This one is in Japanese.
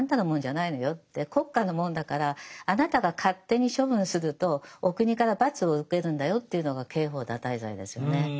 国家のもんだからあなたが勝手に処分するとお国から罰を受けるんだよというのが刑法堕胎罪ですよね。